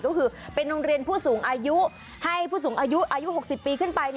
ก็คือเป็นโรงเรียนผู้สูงอายุให้ผู้สูงอายุอายุ๖๐ปีขึ้นไป